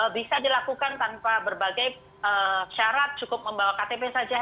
bisa dilakukan tanpa berbagai syarat cukup membawa ktp saja